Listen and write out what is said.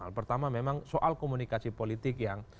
hal pertama memang soal komunikasi politik yang